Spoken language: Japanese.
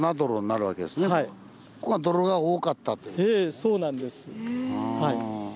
ええそうなんです。